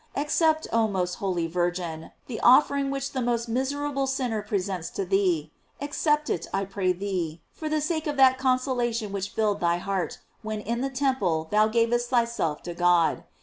Accept, oh most holy Virgin, the offering which the most miserable sinner presents to thee; ac cept it, I pray thee, for the sake of that conso lation which filled thy heart when in the temple thou gavest thyself to God.